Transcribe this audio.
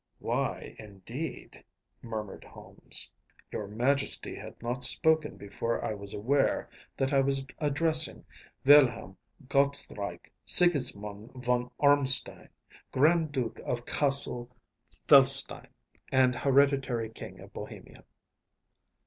‚ÄĚ “Why, indeed?‚ÄĚ murmured Holmes. “Your Majesty had not spoken before I was aware that I was addressing Wilhelm Gottsreich Sigismond von Ormstein, Grand Duke of Cassel Felstein, and hereditary King of Bohemia.